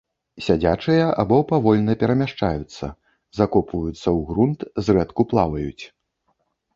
Сядзячыя або павольна перамяшчаюцца, закопваюцца ў грунт, зрэдку плаваюць.